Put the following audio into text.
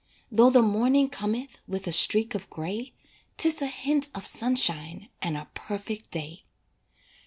Though the morning cometh With a streak of gray, 'Tis a hint of sunshine And a perfect day.